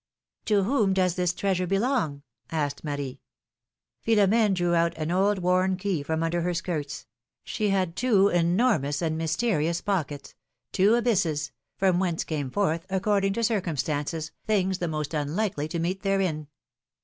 ^^ ^^To whom does this treasure belong asked Marie. Philom^ne drew out an old worn key from under her skirts; she had two enormous and mysterious pockets — two abysses — from whence came forth, according to cir cumstances, things the most unlikely to meet therein.